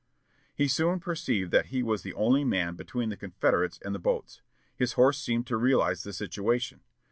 He soon perceived that he was the only man between the Confederates and the boats. His horse seemed to realize the situation.